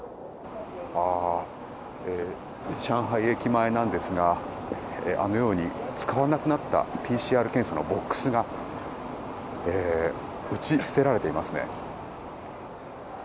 上海駅前なんですがあのように、使わなくなったＰＣＲ検査のボックスが打ち捨てられていますね。